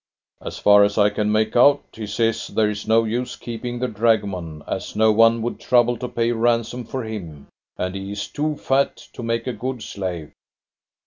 "As far as I can make out, he says there is no use keeping the dragoman, as no one would trouble to pay a ransom for him, and he is too fat to make a good slave."